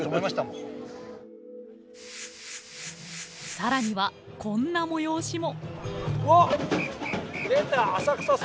さらには、こんな催しも。